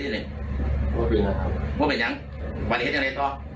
ตีละก็เป็นอย่างวันนี้เห็นยังไงต่อ